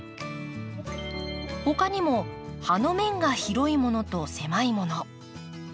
他にも葉の面が広いものと狭いもの。